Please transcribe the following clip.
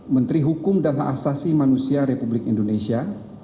menteri hukum dan hak asasi manusia republik indonesia